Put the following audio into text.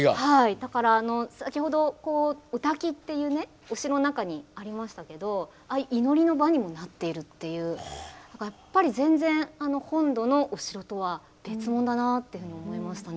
だから先ほど御嶽っていうねお城の中にありましたけどああいうやっぱり全然本土のお城とは別物だなっていうふうに思いましたね。